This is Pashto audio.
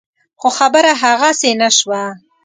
خو خبره هغسې نه شوه.